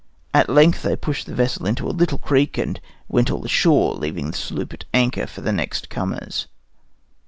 At length they pushed the vessel into a little creek and went all ashore, leaving the sloop at an anchor for the next comers.